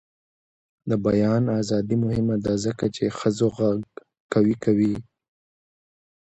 د بیان ازادي مهمه ده ځکه چې ښځو غږ قوي کوي.